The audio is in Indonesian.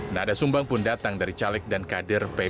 nada sumbang pun datang dari caleg dan kader pdip